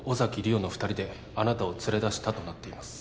桜の２人であなたを連れ出したとなっています